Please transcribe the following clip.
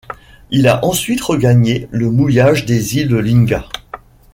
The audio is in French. Il a ensuite regagné le mouillage des îles Lingga.